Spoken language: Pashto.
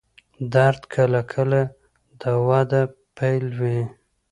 درد کله کله د وده پیل وي.